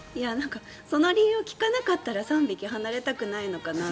その理由を聞かなかったら３匹、離れたくないのかなと。